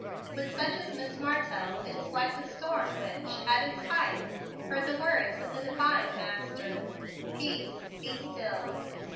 With such as Miss Martell, it is like the storm which, at its height, heard the words of the Divine Master, "Peace, be still."